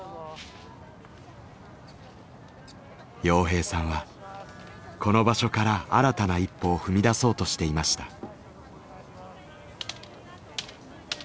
洋平さんはこの場所から新たな一歩を踏み出そうとしていました。